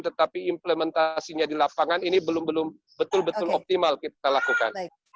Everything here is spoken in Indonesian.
tetapi implementasinya di lapangan ini belum betul betul optimal kita lakukan